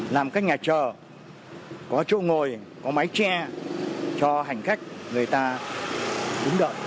làm cách nhà chờ có chỗ ngồi có máy che cho hành khách người ta đúng đợi